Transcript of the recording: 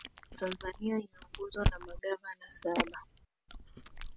benki kuu ya tanzania imeongozwa na magavana saba